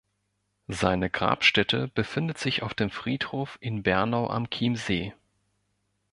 Seine Grabstätte befindet sich auf dem Friedhof in Bernau am Chiemsee.